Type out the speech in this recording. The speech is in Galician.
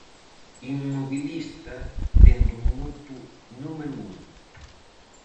Inmobilista dende o minuto número un.